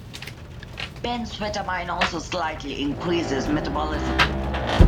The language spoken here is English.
Benzphetamine also slightly increases metabolism.